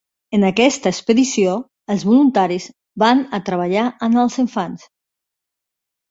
En aquesta expedició, els voluntaris van a treballar amb els infants.